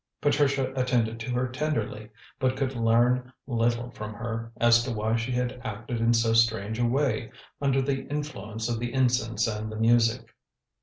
Patricia attended to her tenderly, but could learn little from her as to why she had acted in so strange a way under the influence of the incense and the music.